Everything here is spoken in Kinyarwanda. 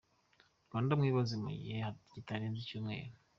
Rwanda Mwibaze: mu gihe kitarenze icyumweru,